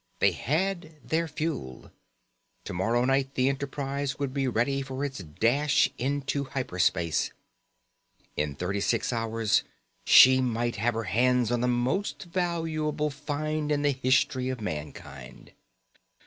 They had their fuel. Tomorrow night the Enterprise would be ready for its dash into hyper space. In thirty six hours she might have her hands on the most valuable find in the history of mankind....